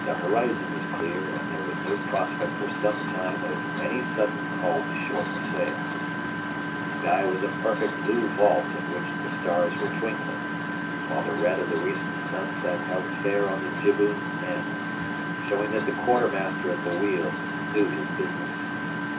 The horizon was clear, and there was no prospect for some time of any sudden call to shorten sail. The sky was a perfect blue vault in which the stars were twinkling, while the red of the recent sunset held fair on the jibboom end, showing that the quartermaster at the wheel knew his business.